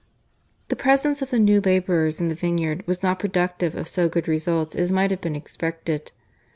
The presence of the new labourers in the vineyard was not productive of so good results as might have been expected.